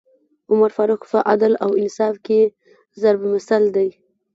عمر فاروق په عدل او انصاف کي ضَرب مثل دی